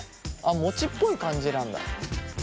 餅っぽい感じなんだ。